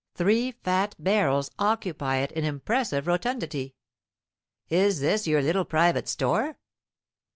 Three fat barrels occupy it in impressive rotundity. "Is this your little private store?"